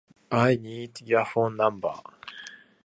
I need your phone number.